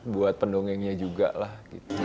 buat pendongengnya juga lah gitu